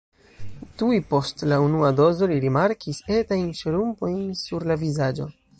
Tuj post la unua dozo li rimarkis etajn ŝrumpojn sur la vizaĝo.